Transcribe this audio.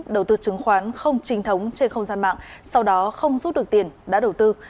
đầu tư chứng khoán không trinh thống trên không gian mạng sau đó không rút được tiền đã đầu tư